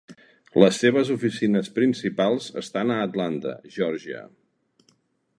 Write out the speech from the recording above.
Les seves oficines principals estan a Atlanta, Geòrgia.